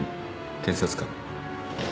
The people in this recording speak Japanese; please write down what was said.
検察官。